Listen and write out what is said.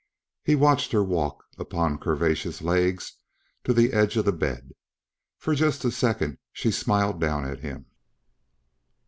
He watched her walk, upon curvaceous legs, to the edge of the bed. For just a second, she smiled down at him.